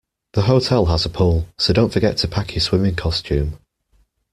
The hotel has a pool, so don't forget to pack your swimming costume